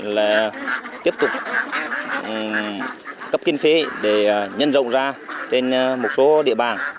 là tiếp tục cấp kiên phí để nhân rộng ra trên một số địa bàn